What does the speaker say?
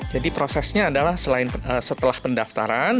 jadi prosesnya adalah setelah pendaftaran